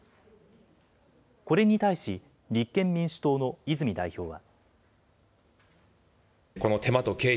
これに対し、立憲民主党の泉代表は。